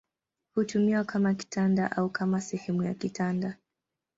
Hutumiwa kama kitanda au kama sehemu ya kitanda.